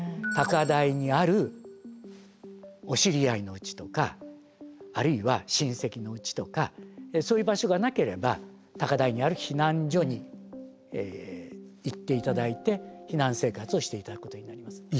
高台にあるお知り合いのうちとかあるいは親戚のうちとかそういう場所がなければ高台にある避難所に行って頂いて避難生活をして頂くことになります。